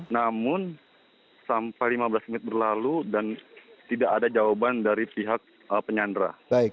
namun sampai lima belas menit berlalu dan tidak ada jawaban dari pihak penyandra